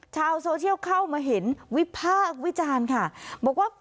ชาวโซเชียลเข้ามาเห็นวิพากษ์วิจารณ์ค่ะบอกว่า